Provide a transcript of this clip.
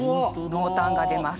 濃淡が出ます。